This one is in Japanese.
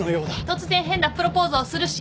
突然変なプロポーズをするし。